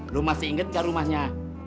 lu masih inget gak rumahnya